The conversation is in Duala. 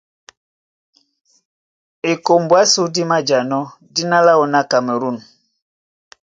Ekombo ásū dí mājanɔ́ dína láō ná Kamerû.